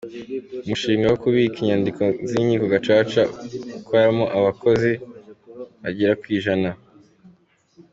Umushinga wo kubika inyandiko z’inkiko Gacaca ukoramo abakozi bagera ku ijana.